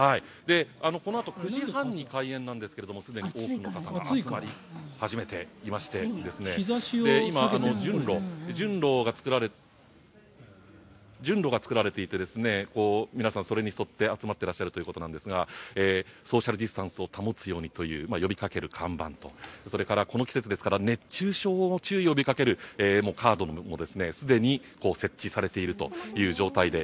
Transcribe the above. このあと９時半に開園なんですがすでに多くの方が集まり始めていまして今、順路が作られていて皆さんそれに沿って集まっていらっしゃるということなんですがソーシャル・ディスタンスを保つようにと呼びかける看板とそれから、この季節ですから熱中症の注意を呼びかけるカードもすでに設置されているという状態で。